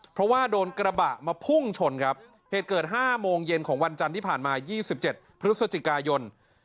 เพราะว่าโดนกระบะมาพุ่งชนครับเหตุเกิด๕โมงเย็นของวันจันทร์ที่ผ่านมา๒๗พฤศจิกายน